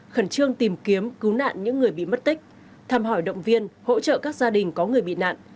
khẩn trương tìm kiếm cứu nạn những người bị mất tích thăm hỏi động viên hỗ trợ các gia đình có người bị nạn